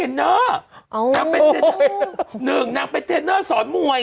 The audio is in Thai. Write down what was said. สรุปนางเป็นนักมวย